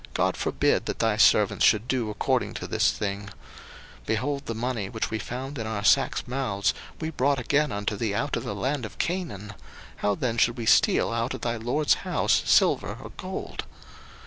God forbid that thy servants should do according to this thing: 01:044:008 Behold, the money, which we found in our sacks' mouths, we brought again unto thee out of the land of Canaan: how then should we steal out of thy lord's house silver or gold?